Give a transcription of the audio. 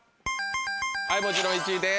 はいもちろん１位です。